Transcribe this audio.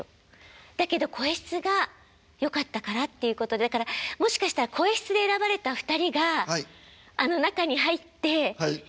だけど声質がよかったからっていうことでだからもしかしたら声質で選ばれた２人があの中に入ってねっ。